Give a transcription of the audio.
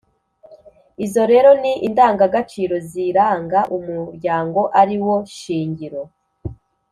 Izo rero ni indangagaciro ziranga umuryango ari wo shingiro